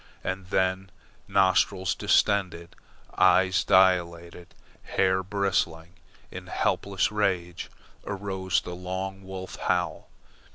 And then, nostrils distended, eyes dilated, hair bristling in helpless rage, arose the long wolf howl.